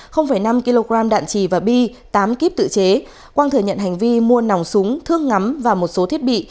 năm kg đạn trì và bi tám kíp tự chế quang thừa nhận hành vi mua nòng súng thương ngắm và một số thiết bị